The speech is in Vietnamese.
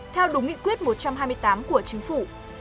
theo đúng nghị quyết một trăm hai mươi tám của chính phủ